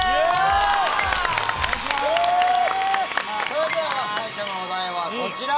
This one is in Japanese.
それでは最初のお題はこちら！